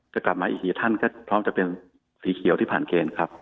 กลับมาอีกกี่ท่านก็พร้อมจะเป็นสีเขียวที่ผ่านเกณฑ์ครับ